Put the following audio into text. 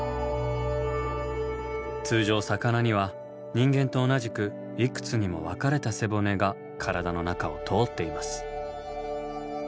通常魚には人間と同じくいくつにも分かれた背骨が体の中を通っています。